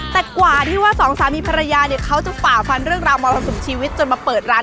แต่กว่าที่ว่าสองสามีภรรยาเนี่ยเขาจะฝ่าฟันเรื่องราวมรสุมชีวิตจนมาเปิดร้าน